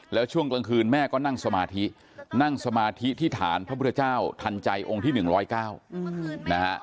แล้วช่วงกลางคืนแม่ก็นั่งสมาธินั่งสมาธิที่ฐานพระพุทธเจ้าทันใจองค์ที่๑๐๙นะฮะ